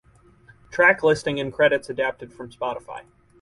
Track listing and credits adapted from Spotify.